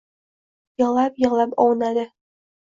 Yig‘lab-yig‘lab ovunadi.